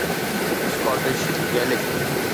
Scottish Gaelic